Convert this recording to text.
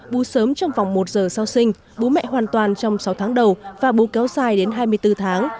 bú sớm trong vòng một giờ sau sinh bú mẹ hoàn toàn trong sáu tháng đầu và bú kéo dài đến hai mươi bốn tháng